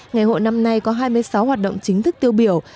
ngày hội năm nay có hai mươi sáu hoạt động chính thức tiêu biểu